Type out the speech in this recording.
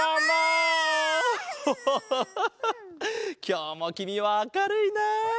きょうもきみはあかるいな。